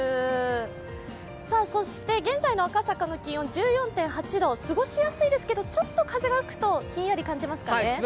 そして、現在の赤坂の気温１４．８度過ごしやすいですけど、ちょっと風が吹くとひんやり感じますかね。